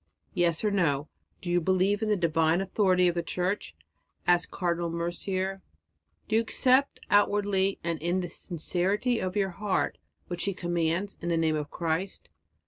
"Yes or no, do you believe in the divine authority of the Church?" asked Cardinal Mercier. "Do you accept outwardly and in the sincerity of your heart what she commands in the name of Christ?